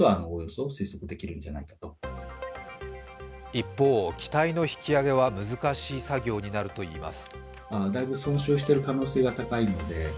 一方、機体の引き揚げは難しい作業になるといいます。